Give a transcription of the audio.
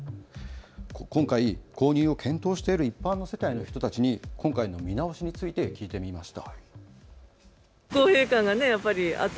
今回、購入を検討している一般世帯の人たちに今回の見直しについて聞いてみました。